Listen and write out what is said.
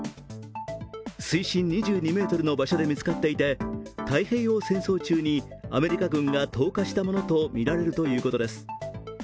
水深２２ｍの場所で見つかっていて太平洋戦争中にアメリカ軍が投下したものとみられるということです。